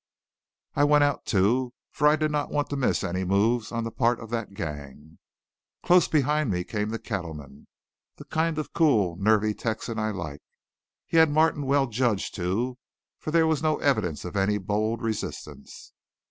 I went out, too, for I did not want to miss any moves on the part of that gang. Close behind me came the cattleman, the kind of cool, nervy Texan I liked. He had Martin well judged, too, for there was no evidence of any bold resistance.